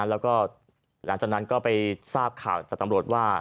แล้วก็หลังจากนั้นก็ไปทราบข่าวจากตำรวจว่า